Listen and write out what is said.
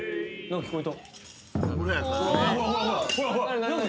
何か聞こえた。